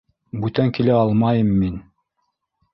Бүтән килә алмайым мин.